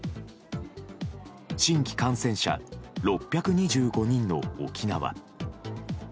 新規感染者６２５人の沖縄。